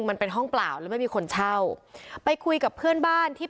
มันเป็นห้องเปล่าแล้วไม่มีคนเช่าไปคุยกับเพื่อนบ้านที่